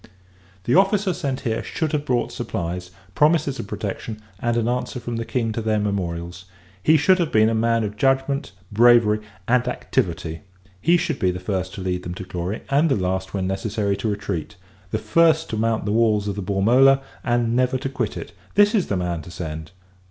The officer sent here should have brought supplies, promises of protection, and an answer from the King to their memorials: he should have been a man of judgment, bravery, and activity. He should be the first to lead them to glory; and the last, when necessary, to retreat: the first to mount the walls of the Bormola, and never to quit it. This is the man to send.